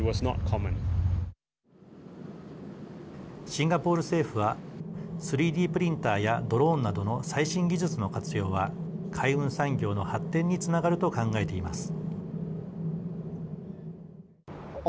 シンガポール政府は３Ｄプリンターやドローンなどの最新技術の活用は海運産業の発展につながると考えています。